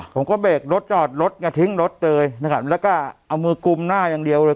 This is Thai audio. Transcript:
ผมก็เบรกรถจอดรถก็ทิ้งรถเลยนะครับแล้วก็เอามือกุมหน้าอย่างเดียวเลย